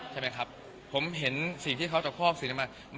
ใช่ไหมครับผมเห็นสิ่งที่เขาจะครอบสิ่งนี้มา